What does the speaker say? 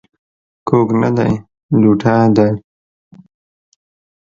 کوږ نه دى ، لوټه ده.